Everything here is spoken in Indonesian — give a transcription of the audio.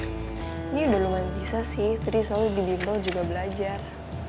ini udah lumantisa sih tadi soalnya gini gini bro juga belajar